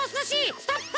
ストップ！